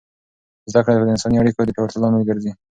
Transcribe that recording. زده کړه د انساني اړیکو د پیاوړتیا لامل ګرځي.